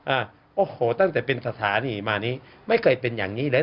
อ่ะโอ้โหตั้งแต่เป็นสถานีมานี้ไม่เคยเป็นอย่างนี้เลย